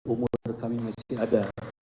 umur kami masih ada